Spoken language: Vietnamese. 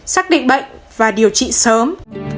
xác định bệnh và điều trị sớm